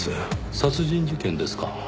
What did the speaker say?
殺人事件ですか。